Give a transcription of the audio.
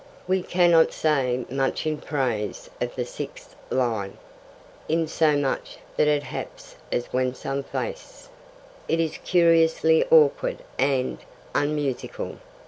We cannot say much in praise of the sixth line: Insomuch that it haps as when some face: it is curiously awkward and unmusical.